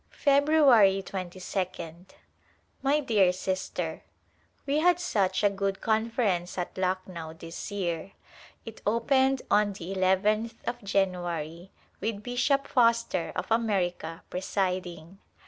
February 22d. My dear Sister : We had such a good Conference at Lucknovv this year. It opened on the nth of January with Bishop Foster of America presiding.